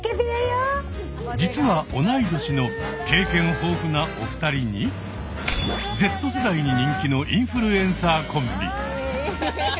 実は同い年の経験豊富なお二人にＺ世代に人気のインフルエンサーコンビ。